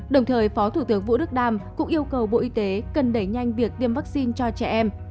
đồng thời phó thủ tướng vũ đức đam cũng yêu cầu bộ y tế cần đẩy nhanh việc tiêm vaccine cho trẻ em